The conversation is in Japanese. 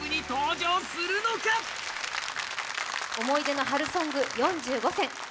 思い出の春ソング４５選